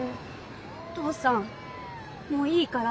お父さんもういいから。